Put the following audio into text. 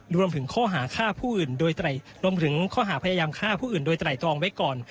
รวมถึงข้อหาฆ่าผู้อื่นโดยไตรทรองไว้ก่อน